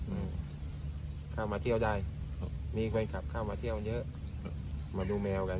อืมเข้ามาเที่ยวได้ครับมีคนขับเข้ามาเที่ยวเยอะมาดูแมวกัน